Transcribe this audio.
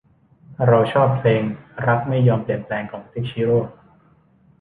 เราชอบฟังเพลง รักไม่ยอมเปลี่ยนแปลง ของติ๊ก ชิโร่